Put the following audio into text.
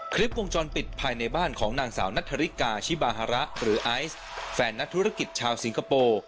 คลิปวงจรปิดภายในบ้านของนางสาวนัทธริกาชิบาฮาระหรือไอซ์แฟนนักธุรกิจชาวสิงคโปร์